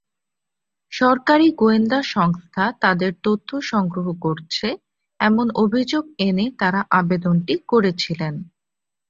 সরকারি গোয়েন্দা সংস্থা তাঁদের তথ্য সংগ্রহ করছে—এমন অভিযোগ এনে তাঁরা আবেদনটি করেছিলেন।